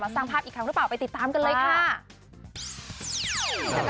สร้างภาพอีกครั้งหรือเปล่าไปติดตามกันเลยค่ะ